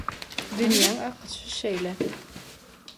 Dünýäň akyşy şeýle.